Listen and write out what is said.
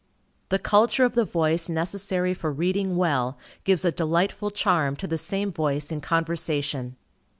The culture of the voice necessary for reading well, gives a delightful charm to the same voice in conversation.